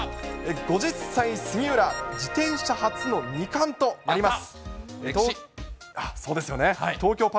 ５０歳、杉浦、自転車初の２冠とあります。